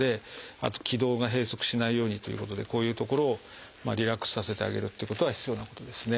あと気道が閉塞しないようにということでこういう所をリラックスさせてあげるっていうことが必要なことですね。